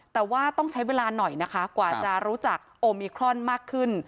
แต่ว่าต้องใช้เวลาหน่อยนะคะกว่าจะรู้จักโอมิครอนมากขึ้น